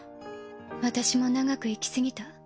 私も長く生き過ぎた。